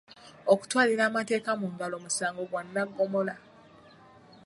Okutwalira amateeka mu ngalo musango gwa naggomola.